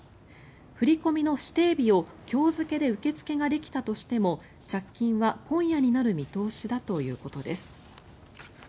振り込みの指定日を今日付で受け付けができたとしても着金は今夜になる見通しだということです。